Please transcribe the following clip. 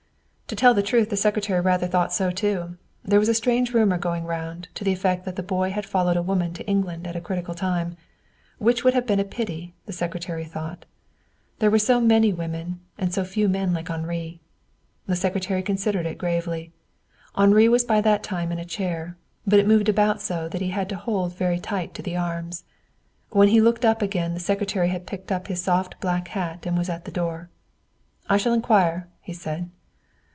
To tell the truth, the secretary rather thought so too. There was a strange rumor going round, to the effect that the boy had followed a woman to England at a critical time. Which would have been a pity, the secretary thought. There were so many women, and so few men like Henri. The secretary considered gravely. Henri was by that time in a chair, but it moved about so that he had to hold very tight to the arms. When he looked up again the secretary had picked up his soft black hat and was at the door. "I shall inquire," he said.